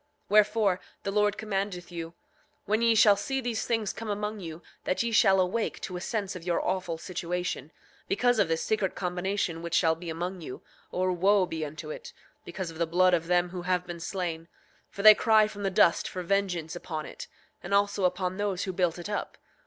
8:24 Wherefore, the Lord commandeth you, when ye shall see these things come among you that ye shall awake to a sense of your awful situation, because of this secret combination which shall be among you; or wo be unto it, because of the blood of them who have been slain; for they cry from the dust for vengeance upon it, and also upon those who built it up.